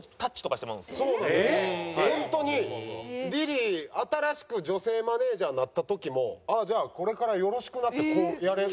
ホントにリリー新しく女性マネジャーになった時も「あっじゃあこれからよろしくな」ってこうやれる。